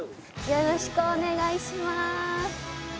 よろしくお願いします。